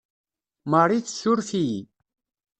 Marie tessuruf-iyi.